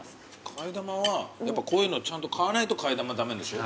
替え玉はやっぱこういうのをちゃんと買わないと替え玉駄目でしょ？